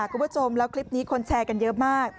คุณผู้ชมแล้วคลิปนี้คนแชร์กันเยอะมาก